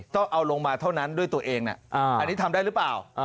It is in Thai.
ต้องเอาลงมาเท่านั้นด้วยตัวเองอันนี้ทำได้หรือเปล่า